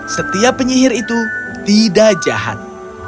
setiap penyihir itu tidak jahat